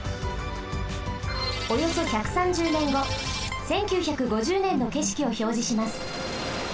およそ１３０ねんご１９５０ねんのけしきをひょうじします。